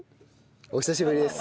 お久しぶりです。